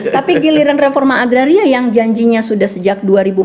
tapi giliran reforma agraria yang janjinya sudah sejak dua ribu empat belas